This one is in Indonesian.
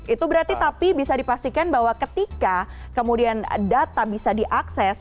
itu berarti tapi bisa dipastikan bahwa ketika kemudian data bisa diakses